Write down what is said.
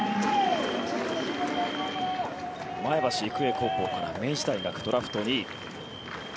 前橋育英高校から明治大学ドラフト２位。